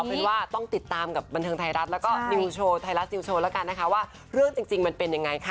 เป็นว่าต้องติดตามกับบันเทิงไทยรัฐแล้วก็นิวโชว์ไทยรัฐนิวโชว์แล้วกันนะคะว่าเรื่องจริงมันเป็นยังไงค่ะ